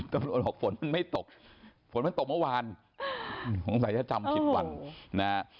ตำรวจบอกฝนมันไม่ตกฝนมันตกเมื่อวานสงสัยจะจำผิดวันนะฮะ